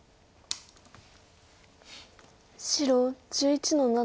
白１１の七。